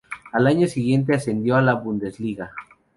Al año siguiente ascendió a la Bundesliga.